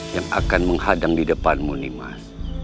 yang akan menghadang di depanmu nimas